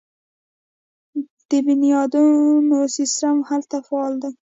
د بنیادونو سیستم هلته فعال دی.